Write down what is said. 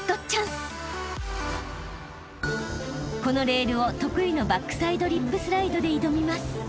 ［このレールを得意のバックサイドリップスライドで挑みます］